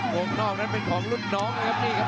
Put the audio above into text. วงนอกนั้นเป็นของรุ่นน้องนะครับนี่ครับ